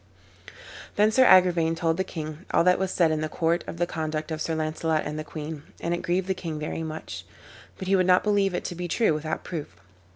Then Sir Agrivain told the king all that was said in the court of the conduct of Sir Launcelot and the queen, and it grieved the king very much. But he would not believe it to be true without proof.